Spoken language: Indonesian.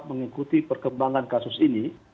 mengikuti perkembangan kasus ini